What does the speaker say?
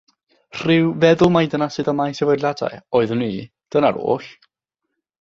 Rhyw feddwl mai dyna sut y mae sefydliadau oeddwn i, dyna'r oll.